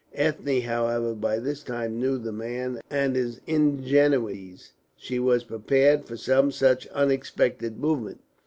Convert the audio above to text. Ethne, however, by this time knew the man and his ingenuities; she was prepared for some such unexpected movement.